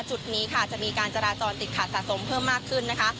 จุดนี้ค่ะจะมีการจราจรติดขัดสะสมเพิ่มมากขึ้นนะคะ